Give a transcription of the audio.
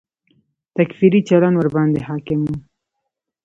تکفیري چلند ورباندې حاکم و.